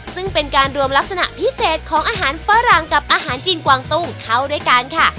ซึ่งเป็นการรวมลักษณะพิเศษของอาหารฝรั่งกับอาหารจีนกวางตุ้งเข้าด้วยกันค่ะ